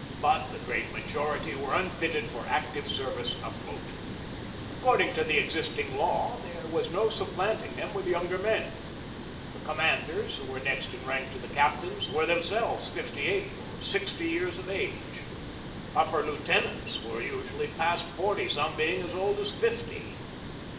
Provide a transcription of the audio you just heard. But the great majority were unfitted for active service afloat. According to the existing law there was no supplanting them with younger men. The commanders, who were next in 42 GEORGE DEWEY rank to the captains, were themselves fifty eight or sixty years of age. Upper lieutenants were usually past forty, some being as old as fifty.